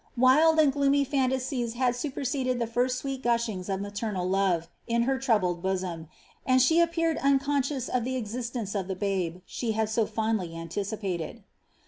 Wild and gloomy fantasies had superseded the first •weet gushings of maternal love, in her troubled bosom, and she ap peared unconscious of the existence of the babe, she had so fondly inticipated.